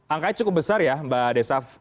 angkanya cukup besar ya mbak desaf